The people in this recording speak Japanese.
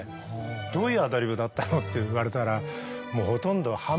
どういうアドリブだったの？って言われたらもうほとんど。